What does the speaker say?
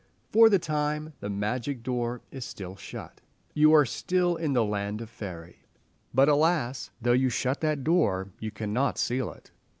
For the time the magic door is still shut. You are still in the land of faerie. But, alas, though you shut that door, you cannot seal it.